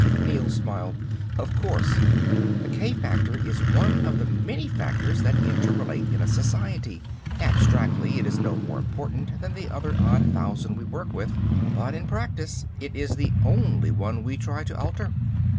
Neel smiled. "Of course. The k factor is one of the many factors that interrelate in a society. Abstractly it is no more important than the other odd thousand we work with. But in practice it is the only one we try to alter."